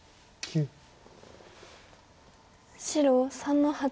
白３の八。